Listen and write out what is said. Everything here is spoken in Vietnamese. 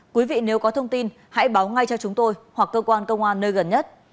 quý vị nếu có thông tin hãy báo ngay cho chúng tôi hoặc cơ quan công an nơi gần nhất